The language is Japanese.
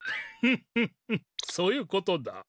フフフそういうことだ。